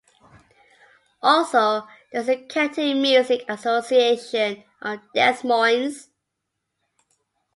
Also, there is the Celtic Music Association of Des Moines.